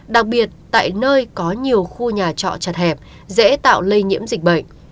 đặc biệt tại nơi có nhiều khu nhà trọ chật hẹp dễ tạo lây nhiễm dịch bệnh